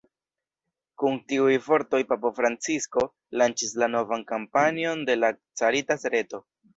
Kun tiuj vortoj papo Francisko, lanĉis la novan kampanjon de la Caritas-reto.